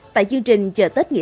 tại chương trình chờ tết nguyên